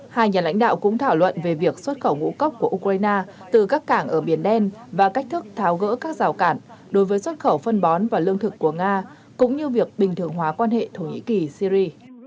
hai nhà lãnh đạo cũng thảo luận về việc xuất khẩu ngũ cốc của ukraine từ các cảng ở biển đen và cách thức tháo gỡ các rào cản đối với xuất khẩu phân bón và lương thực của nga cũng như việc bình thường hóa quan hệ thổ nhĩ kỳ syri